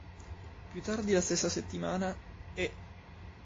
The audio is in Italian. Più tardi la stessa settimana, "E!